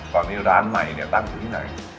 ตอนนี้ร้านใหม่เนี่ยตั้งอยู่ที่ไหน